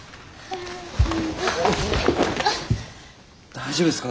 大丈夫ですか？